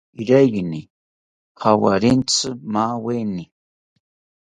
Iraiyini jawarentzi maaweni